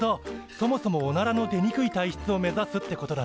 そもそもおならの出にくい体質を目指すってことだね。